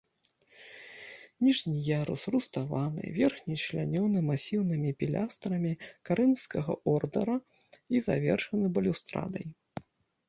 Ніжні ярус руставаны, верхні члянёны масіўнымі пілястрамі карынфскага ордара і завершаны балюстрадай.